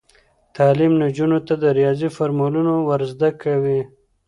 تعلیم نجونو ته د ریاضي فورمولونه ور زده کوي.